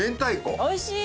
おいしい！